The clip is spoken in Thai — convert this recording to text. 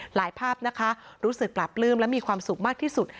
ภาพนะคะรู้สึกปราบปลื้มและมีความสุขมากที่สุด